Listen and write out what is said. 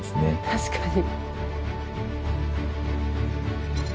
確かに。